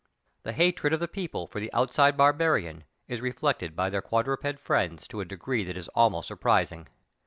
The hatred of the people for the outside barbarian is reflected by their quadruped friends to a degree that is almost sur THE GREAT WALL OE CHINA. 185 prising.